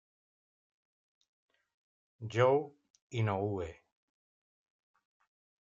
Jo Inoue